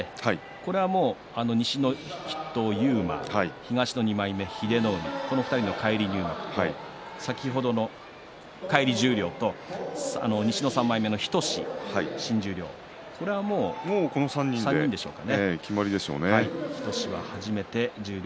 これも西の筆頭、勇磨東の２枚目、英乃海この２人の返り入幕と先ほどの十両西の３枚目の日翔志、新十両３人でしょうか。